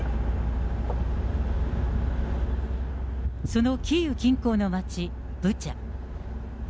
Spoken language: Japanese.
そのキーウ近郊の街、ブチャ。